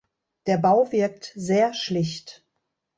Der Bau wirkt sehr schlicht.